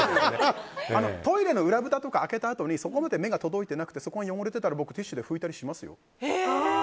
トイレの裏ぶたとか開けた時にそこまで目が届いてなくてそこが汚れてたらティッシュで拭いたりしますよ。